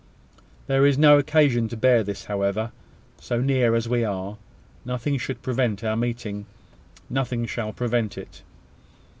There is no occasion to bear this, however. So near as we are, nothing should prevent our meeting nothing shall prevent it."